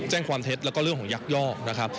แจ้งความเท็จแล้วก็เรื่องของยักยอกนะครับ